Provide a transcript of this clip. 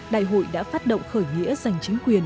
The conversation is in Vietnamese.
đại hội đã phát động khởi nghĩa giành chính quyền